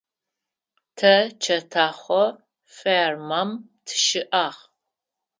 Тэ чэтэхъо фермэм тыщыӏагъ.